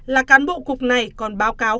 là cán bộ cục này còn báo cáo